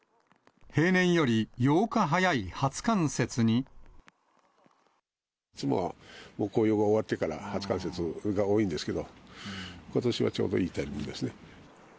いつもは紅葉が終わってから初冠雪が多いんですけど、ことしはちょうどいいタイミングですね。